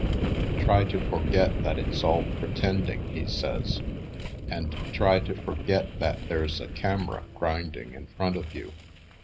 "Try to forget that it's all pretending," he says, "and try to forget that there's a camera grinding in front of you.